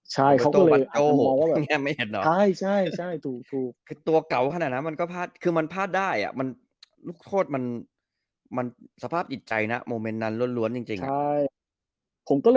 ใช่เขาก็เลยตัวเก่าขนาดนั้นมันก็พลาดคือมันพลาดได้มันสภาพหยิดใจนะมอเมนต์นั้นล้วนจริง